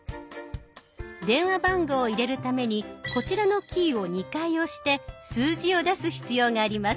電話番号を入れるためにこちらのキーを２回押して数字を出す必要があります。